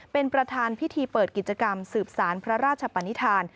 เป็นประธานพิธีเปิดกิจกรรมสืบสารพระราชปนิษฐาน